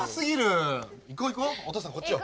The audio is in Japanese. お父さんこっちよ。